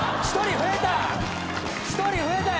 １人増えた！